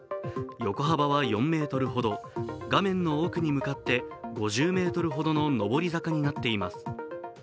横幅は４ｍほど、画面の奥に向かって５０ｍほどの上り坂になっています。